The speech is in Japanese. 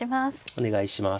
お願いします。